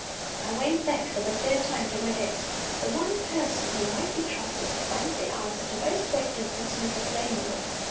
I went back for the third time to my desk. The one person who might be trusted to find the answer to those questions was Mr. Playmore.